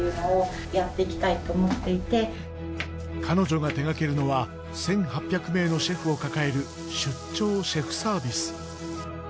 彼女が手がけるのは１，８００名のシェフを抱える出張シェフサービス。